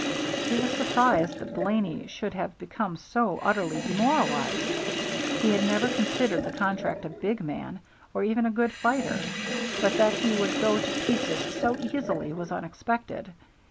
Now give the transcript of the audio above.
He was surprised that Blaney should have become so utterly demoralized. He had never considered the contractor a big man, or even a good fighter, but that he would go to pieces so easily was unexpected.